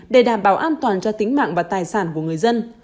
để đảm bảo an toàn cho tính mạng và tài sản của người dân